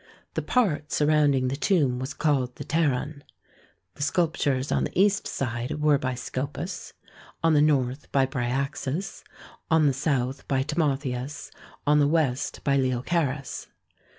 The part surrounding the tomb was called the Pteron. The sculptures on the east side were by Scopas, on the north by Bryaxis, on the south by Timotheus, on the west by Leochares.